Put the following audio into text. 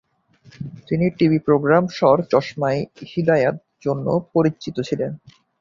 তিনি TV programme সর চশমা-ই-হিদায়াত জন্যও পরিচিত ছিলেন।